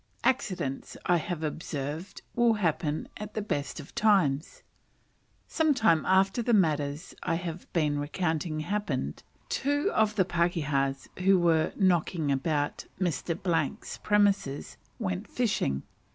Accidents, I have observed, will happen at the best of times. Some time after the matters I have been recounting happened, two of the pakehas, who were "knocking about" Mr. 's premises, went fishing.